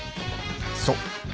そう。